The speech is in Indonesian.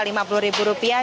rp lima puluh ribu rupiah